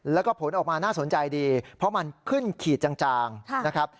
แล้วก็ผลออกมาน่าสนใจดีเพราะมันขึ้นขีดจางนะครับ